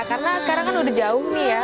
karena sekarang kan udah jauh nih ya